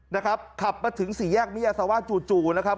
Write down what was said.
นะครับขับมาถึงสี่แยกมิยาซาวาสจู่จู่นะครับ